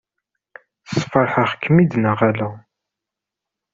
Sfeṛḥeɣ-kem-id neɣ ala?